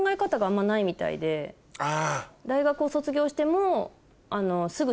あ。